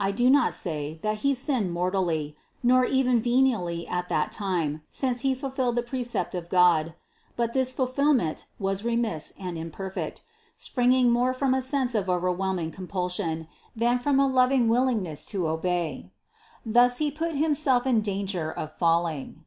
I do not say that he sinned mor tally, nor even venially at that time, since he fulfilled the precept of God; but this fulfillment was remiss and im perfect, springing more from a sense of overwhelming compulsion, than from a loving willingness to obey. Thus he put himself in danger of falling.